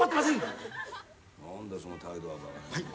何だその態度は。